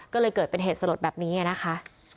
ก็เลยเกิดเป็นเหตุสลดแบบนี้นะคะ